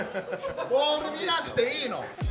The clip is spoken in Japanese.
ボール見なくていいの。